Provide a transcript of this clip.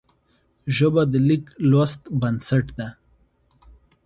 ژبه د لیک لوست بنسټ ده